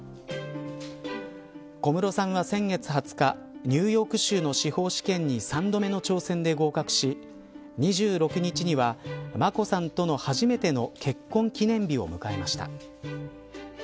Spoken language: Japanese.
小室さんは先月２０日ニューヨーク州の司法試験に３度目の挑戦で合格し２６日には眞子さんとの初めての結婚記念日を迎えました。